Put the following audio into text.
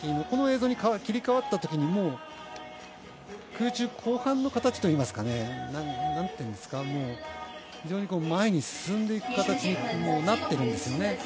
この映像に切り替わったときにもう空中、後半の形といいますか非常に前に進んでいく形になっているんです。